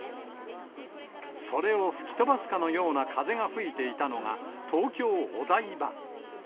それを吹き飛ばすかのような風が吹いていたのが、東京・お台場。